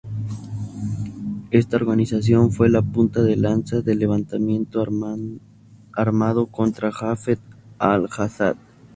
Esta organización fue la punta de lanza del levantamiento armado contra Hafez Al Assad.